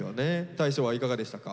大昇はいかがでしたか？